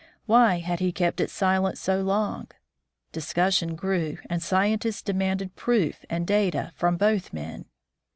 Why had he kept silent so long ? Discussion grew, and scien tists demanded proof and data from both men.